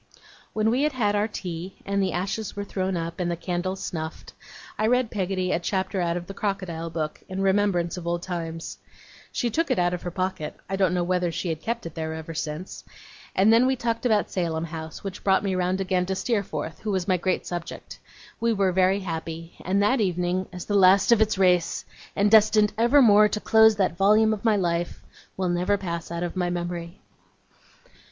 When we had had our tea, and the ashes were thrown up, and the candles snuffed, I read Peggotty a chapter out of the Crocodile Book, in remembrance of old times she took it out of her pocket: I don't know whether she had kept it there ever since and then we talked about Salem House, which brought me round again to Steerforth, who was my great subject. We were very happy; and that evening, as the last of its race, and destined evermore to close that volume of my life, will never pass out of my memory.